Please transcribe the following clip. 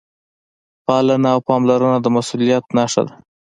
پالنه او پاملرنه د مسؤلیت نښه ده.